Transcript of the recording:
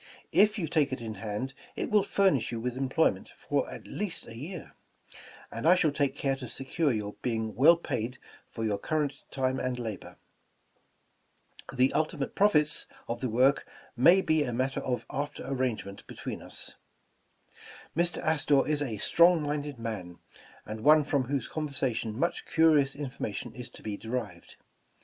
If you take it in hand, it will furnish you with employment for at least a year, and I shall take care to secure your being well paid for your current time and labor; the 282 Writing Astoria ultimate profits of the work may be a matter of after arrangement between us, ''Mr Astor is a strong minded man, and one from whose conversation much curious information is to be derived.